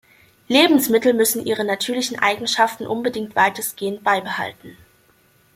Lebensmittel müssen ihre natürlichen Eigenschaften unbedingt weitestgehend beibehalten.